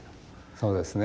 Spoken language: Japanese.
そうですね。